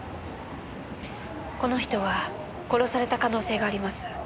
この人は殺された可能性があります。